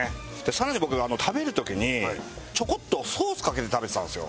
更に僕食べる時にちょこっとソースかけて食べてたんですよ。